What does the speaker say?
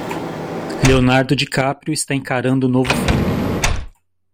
Leonardo DiCaprio está encarando o novo filme.